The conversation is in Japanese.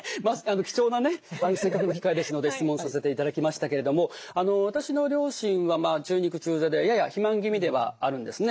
貴重なねせっかくの機会ですので質問させていただきましたけれども私の両親は中肉中背でやや肥満気味ではあるんですね。